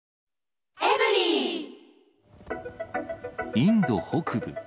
インド北部。